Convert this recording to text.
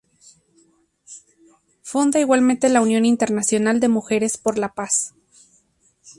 Funda igualmente la Unión Internacional de Mujeres por la Paz.